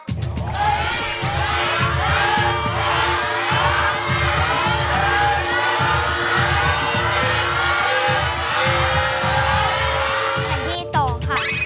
แผ่นที่สองครับ